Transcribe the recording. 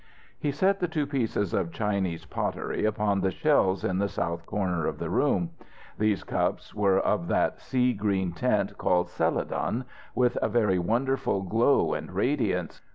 He set the two pieces of Chinese pottery upon the shelves in the south corner of the room. These cups were of that sea green tint called céladon, with a very wonderful glow and radiance.